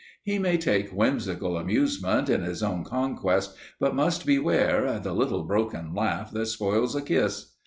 He may take whimsical amusement in his own conquest, but must beware "the little broken laugh that spoils a kiss."